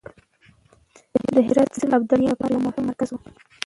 د هرات سيمه د ابدالیانو لپاره يو مهم مرکز و.